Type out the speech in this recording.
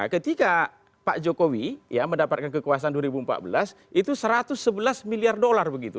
ketika pak jokowi mendapatkan kekuasaan dua ribu empat belas itu satu ratus sebelas miliar dolar begitu